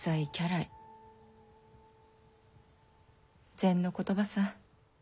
禅の言葉さ。